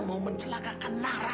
mau mencelakakan lara